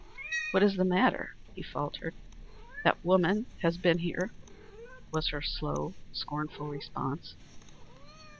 "What is the matter?" he faltered. "That woman has been here," was her slow, scornful response.